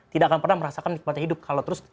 tidak akan pernah merasakan nikmatnya hidup kalau terus